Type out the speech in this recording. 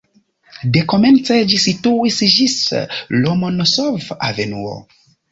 Dekomence ĝi situis ĝis Lomonosov-avenuo.